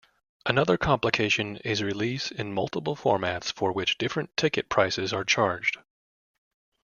Another complication is release in multiple formats for which different ticket prices are charged.